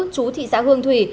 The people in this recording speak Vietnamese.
chú thị xã hương thủy